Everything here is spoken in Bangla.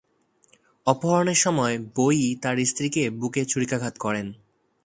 অপহরণের সময় বোয়ি তার স্ত্রীকে বুকে ছুরিকাঘাত করেন।